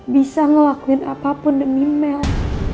bisa ngelakuin apapun demi mel